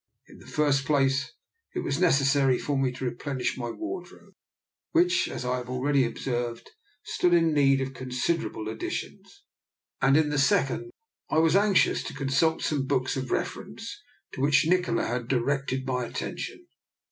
In the first place it was necessary for me to replenish my ward robe, which, as I have already observed, stood in need of considerable additions, and in the second I was anxious to consult some books of reference to which Nikola had directed my attention.